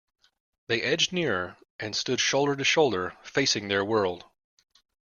They edged nearer, and stood shoulder to shoulder facing their world.